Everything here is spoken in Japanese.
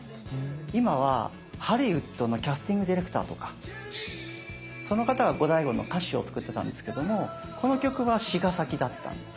今はハリウッドのキャスティングディレクターとかその方がゴダイゴの歌詞を作ってたんですけどもこの曲は詞が先だったんです。